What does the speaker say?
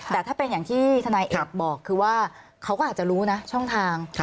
แต่ถ้าเป็นอย่างที่ทนายเอกบอกคือว่าเขาก็อาจจะรู้นะช่องทาง